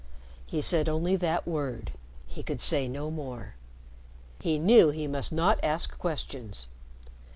He said only that word. He could say no more. He knew he must not ask questions.